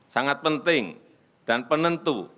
sangat penting dan penentu